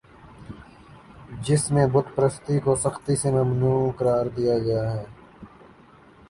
جس میں بت پرستی کو سختی سے ممنوع قرار دیا گیا